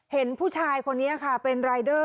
เห็นผู้ชายคนนี้ค่ะเป็นรายเดอร์